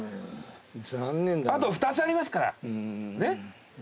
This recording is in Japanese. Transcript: あと２つありますからねっ。